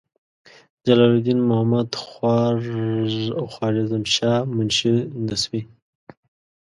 جلال الدین محمدخوارزمشاه منشي نسوي.